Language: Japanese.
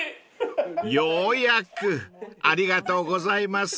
［ようやくありがとうございます］